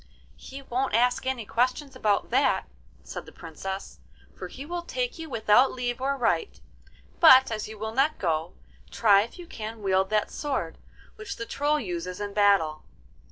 'He won't ask any questions about that,' said the Princess, 'for he will take you without leave or right; but as you will not go, try if you can wield that sword which the Troll uses in battle.